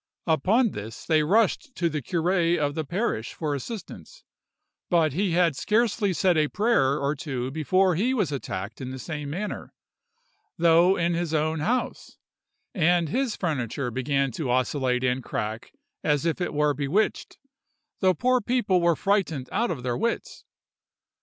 Upon this they rushed to the curé of the parish for assistance; but he had scarcely said a prayer or two before he was attacked in the same manner, though in his own house; and his furniture beginning to oscillate and crack as if it were bewitched, the poor people were frightened out of their wits.